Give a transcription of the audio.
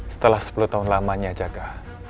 setelah sepuluh tahun lamanya jaga